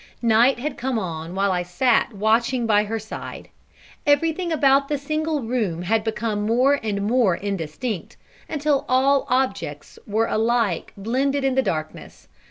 Night had come on while I sat watching by her side. Everything about the single room had become more and more indistinct, until all objects were alike blended in the darkness.